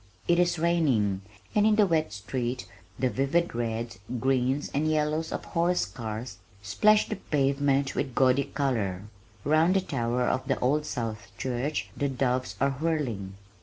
It is raining, and in the wet street the vivid reds, greens, and yellows of the horse cars, splash the pavement with gaudy color. Round the tower of the Old South Church the doves are whirling.